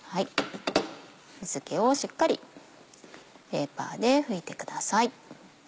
水気をしっかりペーパーで拭いてください。